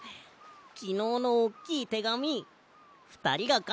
きのうのおっきいてがみふたりがかいてくれたんだろ？